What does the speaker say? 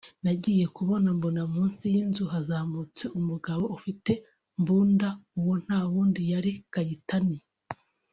nagiye kubona mbona munsi y’inzu hazamutse umugabo ufite mbunda uwo nta wundi yari Kayitani